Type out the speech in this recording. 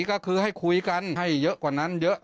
ก็คือให้คุยกันให้เยอะกว่านั้นเยอะ